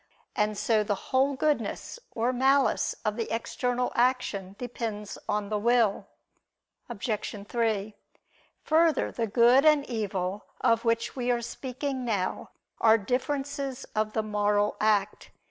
And so the whole goodness or malice of the external action depends on the will. Obj. 3: Further, the good and evil of which we are speaking now are differences of the moral act.